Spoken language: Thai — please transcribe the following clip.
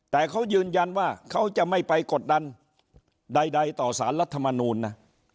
แต่เขายืนยันว่าเขาจะไม่ไปกดดันใดต่อสารรัฐมนูลนะ